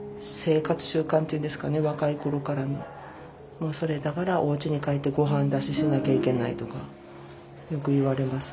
もうそれだからおうちに帰ってごはん出ししなきゃいけないとかよく言われます。